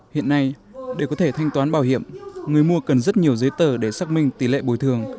hiện nay để có thể thanh toán bảo hiểm người mua cần rất nhiều giấy tờ để xác minh tỷ lệ bồi thường